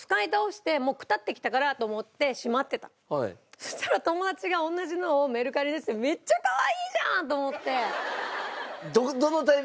そしたら友達が同じのをメルカリ出しててめっちゃかわいいじゃん！と思って。